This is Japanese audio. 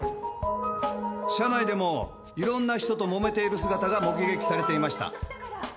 社内でも色んな人と揉めている姿が目撃されていました。